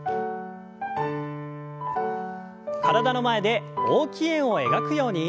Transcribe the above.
体の前で大きい円を描くように。